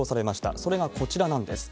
それがこちらなんです。